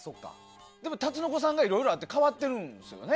でもタツノコさんがいろいろあって変わってるんですよね。